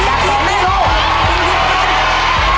อย่าขอแม่ลูก